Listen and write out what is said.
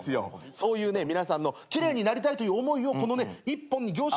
そういうね皆さんの奇麗になりたいという思いをこのね一本に凝縮した物がね。